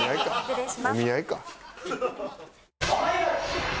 お見合いか。